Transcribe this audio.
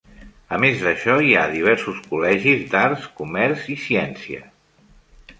A més d'això, hi ha diversos col·legis d'arts, comerç i ciència.